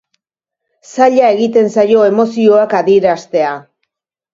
Zaila egiten zaio emozioak adieraztea.